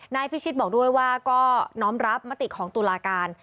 นายพิชิตบอกด้วยว่าก็น้อมรับมติของตุลาการ